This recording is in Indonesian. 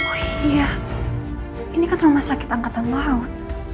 oh iya ini kan rumah sakit angkatan laut